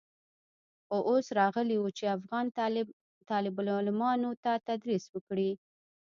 خو اوس راغلى و چې افغان طالب العلمانو ته تدريس وکړي.